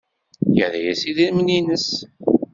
Yerra-as idrimen-nnes.